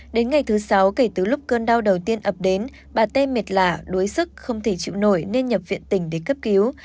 đến ngày thứ sáu kể từ lúc cơn đau đầu tiên ập đến bà tê mệt lạ đuối sức không thể chịu nổi nên nhập viện tỉnh để cấp cứu